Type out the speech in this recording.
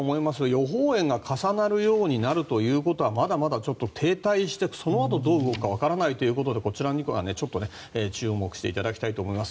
予報円が重なるようになるということはまだまだ停滞してそのあと、どう動くか分からないということで注目していただきたいと思います。